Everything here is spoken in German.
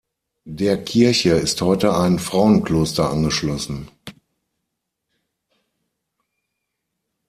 Der Kirche ist heute ein Frauenkloster angeschlossen.